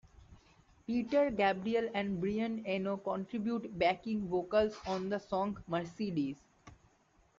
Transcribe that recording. Peter Gabriel and Brian Eno contribute backing vocals on the song Mercedes.